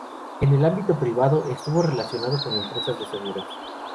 En el ámbito privado estuvo relacionado con empresas de seguros.